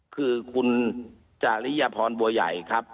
คือคุณจริยพรบัวใหญ่ครับ